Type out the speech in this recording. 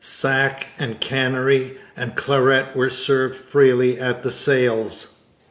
Sack and canary and claret were served freely at the sales.